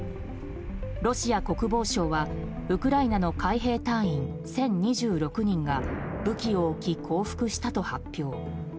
ロシア国防省はウクライナの海兵隊員１０２６人が武器を置き降伏したと発表。